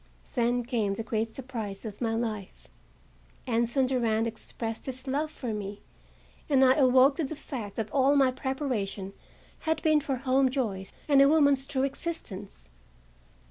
Then came the great surprise of my life. Anson Durand expressed his love for me and I awoke to the fact that all my preparation had been for home joys and a woman's true existence.